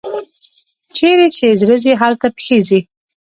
چیري چي زړه ځي، هلته پښې ځي.